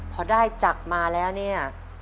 พอได้จักรมาแล้วเนี่ย